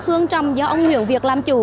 hương trầm do ông nguyễn việt làm chủ